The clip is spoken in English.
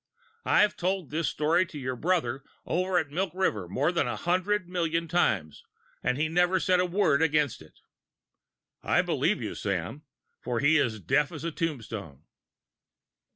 I've told this story to your brother over at Milk River more than a hundred million times, and he never said a word against it." "I believe you, Samuel; for he is deaf as a tombstone."